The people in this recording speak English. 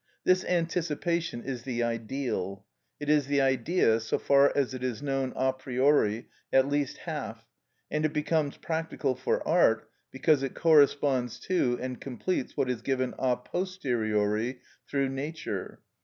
This anticipation is the Ideal. It is the Idea so far as it is known a priori, at least half, and it becomes practical for art, because it corresponds to and completes what is given a posteriori through nature.